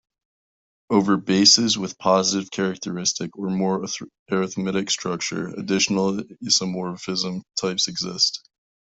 Over bases with positive characteristic or more arithmetic structure, additional isomorphism types exist.